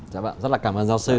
dạ vâng rất là cảm ơn giáo sư